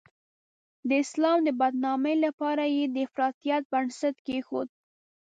د اسلام د بدنامۍ لپاره یې د افراطیت بنسټ کېښود.